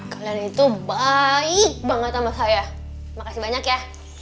kalian itu baik banget sama saya terima kasih banyak yah